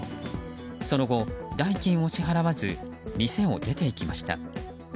その後、代金を支払わず店を出て行きました。